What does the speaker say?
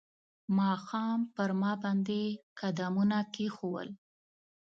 ماښام پر ما باندې قدمونه کښېښول